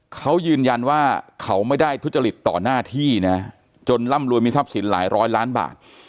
เขายืนยันว่าเขาไม่ได้ทุจริตต่อหน้าที่นะจนร่ำรวยมีทรัพย์สินหลายร้อยล้านบาท